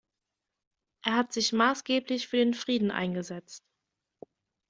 Er hat sich maßgeblich für den Frieden eingesetzt.